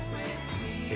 え？